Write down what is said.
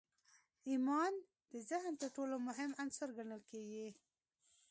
ايمان د ذهن تر ټولو مهم عنصر ګڼل کېږي.